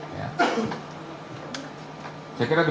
saya kira demikian dekatkan